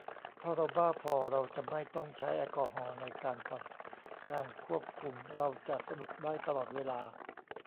ถ้าเราบ้าพอ เราจะไม่ต้องใช้แอลกอฮอล์ในการผ่อนการควบคุม เราจะสนุกได้ตลอดเวลา